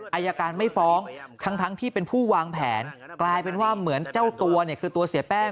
อายการไม่ฟ้องทั้งที่เป็นผู้วางแผนกลายเป็นว่าเหมือนเจ้าตัวเนี่ยคือตัวเสียแป้ง